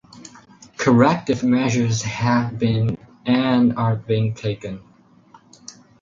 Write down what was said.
Corrective measures have been and are being taken.